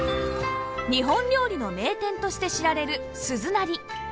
日本料理の名店として知られる鈴なり